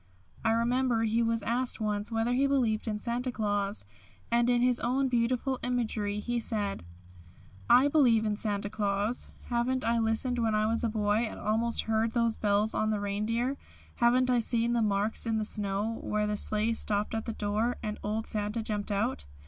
I remember he was asked once whether he believed in Santa Claus, and in his own beautiful imagery he said: "I believe in Santa Claus. Haven't I listened when I was a boy and almost heard those bells on the reindeer; haven't I seen the marks in the snow where the sleigh stopped at the door and old Santa jumped out?